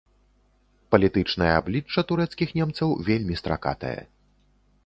Палітычнае аблічча турэцкіх немцаў вельмі стракатае.